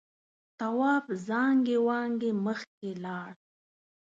تواب زانگې وانگې مخکې لاړ.